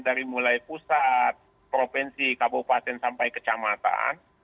dari mulai pusat provinsi kabupaten sampai kecamatan